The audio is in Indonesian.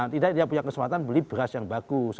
tidak dia punya kesempatan beli beras yang bagus